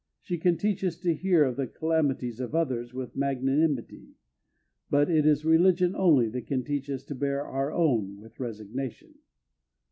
She can teach us to hear of the calamities of others with magnanimity, but it is religion only that can teach us to bear our own with resignation.